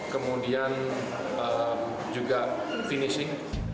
kemudian juga penyelesaian